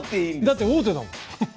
だって王手だもん。